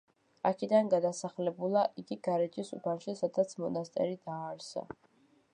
აქედან გადასახლებულა იგი გარეჯის უბანში, სადაც მონასტერი დააარსა.